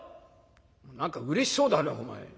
「何かうれしそうだねお前。